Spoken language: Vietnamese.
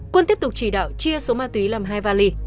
quân tiếp tục chỉ đạo chia số ma túy làm hai vali